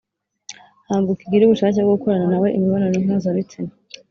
ntabwo ukigira ubushake bwo gukorana na we imibonano mpuzabitsina